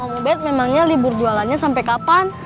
om ubed memangnya libur jualannya sampai kapan